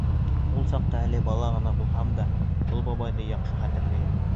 Ул саҡта әле бала ғына булһам да, был бабайҙы яҡшы хәтерләйем.